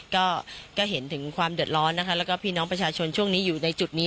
ก็เห็นถึงความเดือดร้อนนะคะแล้วก็พี่น้องประชาชนช่วงนี้อยู่ในจุดนี้